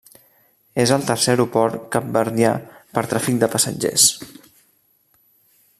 És el tercer aeroport capverdià per tràfic de passatgers.